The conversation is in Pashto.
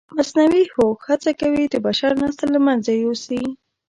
مصنوعي هوښ هڅه کوي د بشر نسل له منځه یوسي.